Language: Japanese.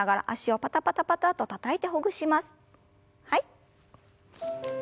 はい。